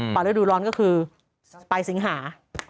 ปลายระดูรรณ์ก็คือปลายสิงหา